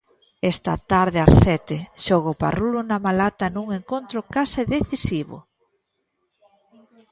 Esta tarde, ás sete, xoga o Parrulo na Malata nun encontro case decisivo.